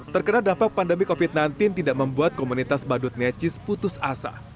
terkena dampak pandemi covid sembilan belas tidak membuat komunitas badut necis putus asa